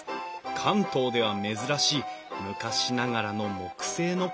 関東では珍しい昔ながらの木製の冠水橋。